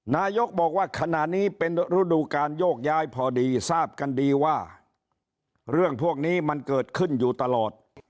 นายกบอกว่าขณะนี้เป็นฤดูการโยกย้ายพอดีทราบกันดีว่าเรื่องพวกนี้มันเกิดขึ้นอยู่ตลอด